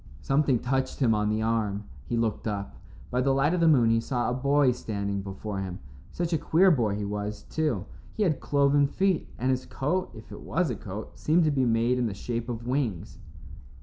Something touched him on the arm. He looked up. By the light of the moon he saw a boy standing before him. Such a queer boy he was, too. He had cloven feet, and his coat, if it was a coat, seemed to be made in the shape of wings.